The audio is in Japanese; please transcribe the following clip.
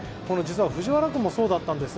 藤原君もそうだったんです。